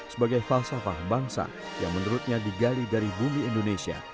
sebagai falsafah bangsa yang menurutnya digali dari bumi indonesia